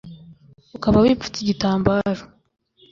ukaba wipfutse igitambaro